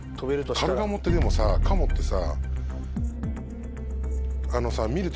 カルガモってでもカモってさ。